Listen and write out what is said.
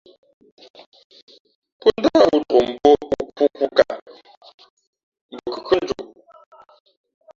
Pó ndáh hǔ tok mbō khǔkǔʼkaʼ mbα kʉkhʉ́ά njoʼ.